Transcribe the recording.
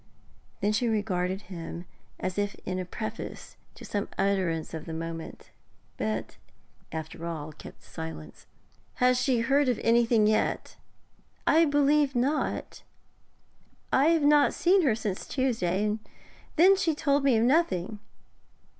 Then she regarded him as if in preface to some utterance of moment, but after all kept silence. 'Has she heard of anything yet?' 'I believe not. I have not seen her since Tuesday, and then she told me of nothing.